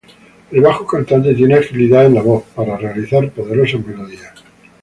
El bajo cantante tiene agilidad en la voz, para realizar poderosas melodías.